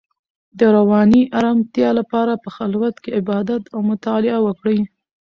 د رواني ارامتیا لپاره په خلوت کې عبادت او مطالعه وکړئ.